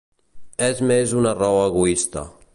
És més una raó egoista.